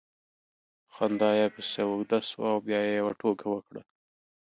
خندا یې پسې اوږده سوه او بیا یې یوه ټوکه وکړه